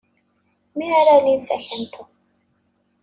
Mi ara alin s akantu.